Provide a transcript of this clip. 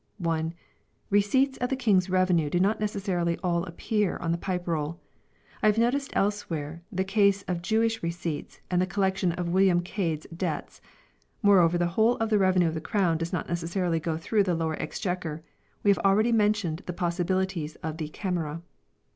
(i) Receipts of the King's Revenue do not necessarily all appear on the Pipe Roll. I have noticed elsewhere the cases of Jewish Receipts 3 and the collection of William Cade's debts. 4 Moreover the whole of the revenue of the Crown does not necessarily go through the Lower Exchequer ; we have already mentioned the possibilities of the "Camera